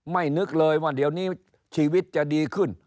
นึกเลยว่าเดี๋ยวนี้ชีวิตจะดีขึ้น